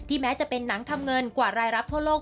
แม้จะเป็นหนังทำเงินกว่ารายรับทั่วโลก